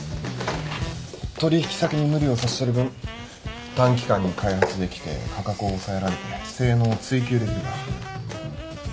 取引先に無理をさせてる分短期間に開発できて価格を抑えられて性能を追求できるから。